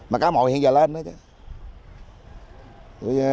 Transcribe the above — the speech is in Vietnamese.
mà cá mồi hiện giờ lên nữa chứ